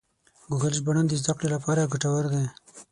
ګوګل ژباړن د زده کړې لپاره ګټور دی.